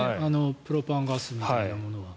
プロパンガスみたいなものは。